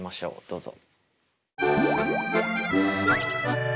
どうぞ。